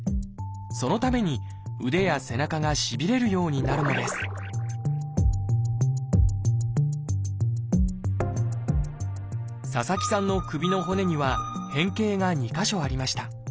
そのために腕や背中がしびれるようになるのです佐々木さんの首の骨には変形が２か所ありました。